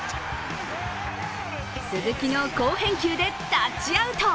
鈴木の好返球でタッチアウト。